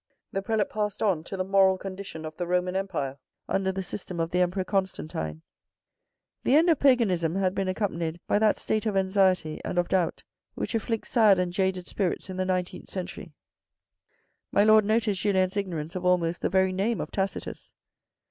The prelate passed on to the moral condition of the Roman Empire under the system of the Emperor Constantine. The end of paganism had been accompanied by that state of anxiety and of doubt which afflicts sad and jaded spirits in the nineteenth century. My Lord noticed Julien's ignorance of almost the very name of Tacitus.